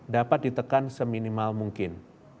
dapat ditekan seminimal mungkin